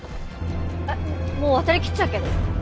えっもう渡り切っちゃうけど？